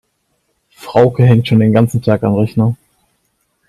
Frauke hängt schon den ganzen Tag am Rechner.